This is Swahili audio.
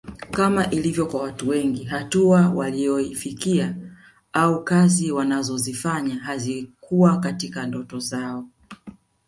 Kama ilivyo kwa watu wengi hatua waliyoifikia au kazi wanazoifanya hazikuwa katika ndoto zao